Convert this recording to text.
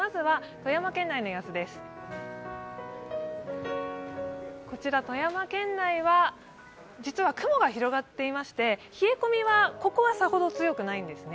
富山県内は実は雲が広がっていまして冷え込みは、ここはさほど強くないんですね。